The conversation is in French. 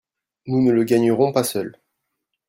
Nous ne le gagnerons pas seuls.